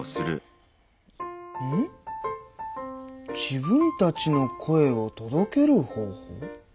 自分たちの声を届ける方法？